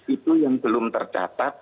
itu yang belum tercatat